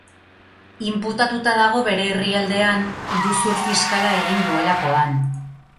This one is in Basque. Inputatuta dago bere herrialdean, iruzur fiskala egin duelakoan.